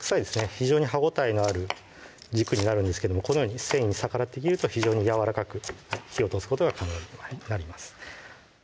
非常に歯応えのある軸になるんですけどもこのように繊維に逆らって切ると非常にやわらかく火を通すことが可能になります